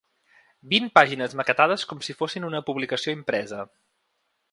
Vint pàgines maquetades com si fossin una publicació impresa.